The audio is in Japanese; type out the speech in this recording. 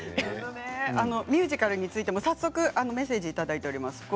ミュージカルについて早速メッセージいただいております。